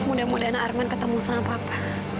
mudah mudahan arman ketemu sama papa